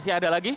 masih ada lagi